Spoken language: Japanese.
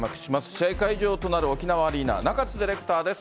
試合会場となる沖縄アリーナ、中津ディレクターです。